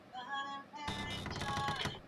Warumi wa kale hawakuwa wageni wa kufurahisha tu